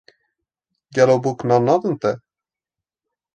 Gelo bûk nan nadin te